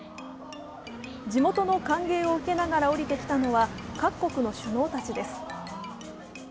地元の歓迎を受けながら降りてきたのは、各国の首脳たちです。